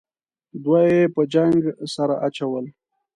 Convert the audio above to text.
دوه یې په جنگ سره اچول.